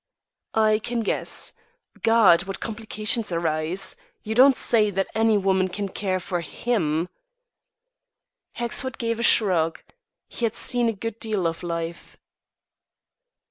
"I can guess. God! What complications arise! You don't say that any woman can care for him?" Hexford gave a shrug. He had seen a good deal of life.